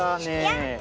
やった！